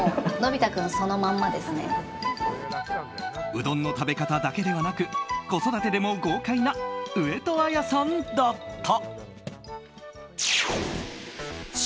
うどんの食べ方だけではなく子育てでも豪快な上戸彩さんだった。